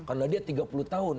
karena dia tiga puluh tahun